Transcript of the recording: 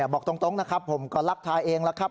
บอกตรงนะครับผมก็รักทาเองแล้วครับ